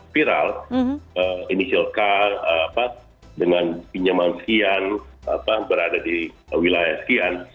viral initial k dengan pinjaman sekian berada di wilayah sekian